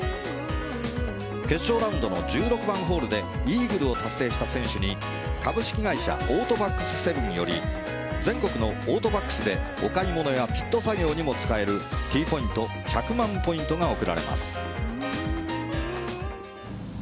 決勝ラウンドの１６番ホールでイーグルを達成した選手に株式会社オートバックスセブンより全国のオートバックスでお買い物やピット作業にも使えるＴポイント１００万ポイントが贈られます。